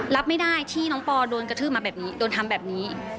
รับไม่ได้ที่น้องปอโดนกระทืบมาแบบนี้โดนทำแบบนี้